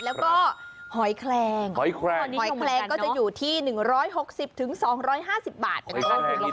แล้วก็หอยแคลงหอยแคลงก็จะอยู่ที่๑๖๐ถึง๒๕๐บาทเป็นการลงมาหน่อย